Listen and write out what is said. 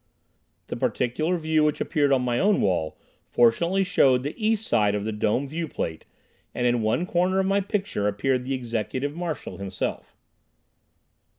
The particular view which appeared on my own wall fortunately showed the east side of the dome viewplate and in one corner of my picture appeared the Executive Marshal himself.